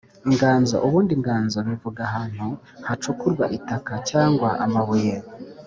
inganzo: ubunndi inganzo bivuga ahantu hacukuwa itaka cyangwa amabuye